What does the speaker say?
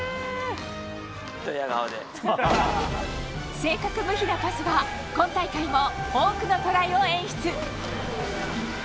正確無比なパスは今大会も多くのトライを演出。